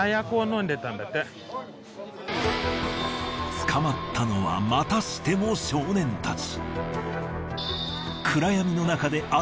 捕まったのはまたしても少年たち。